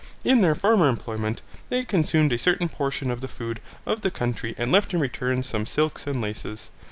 In their former employment they consumed a certain portion of the food of the country and left in return some silks and laces.